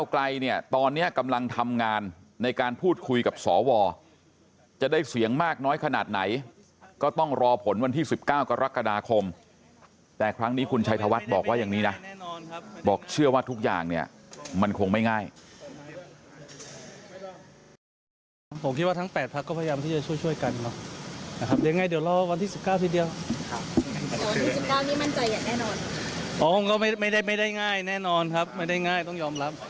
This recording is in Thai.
ครั้งนี้คุณชัยธวัฒน์บอกว่าอย่างนี้นะบอกเชื่อว่าทุกอย่างเนี่ยมันคงไม่ง่าย